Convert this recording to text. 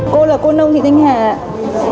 cô là cô nông thị thanh hà ạ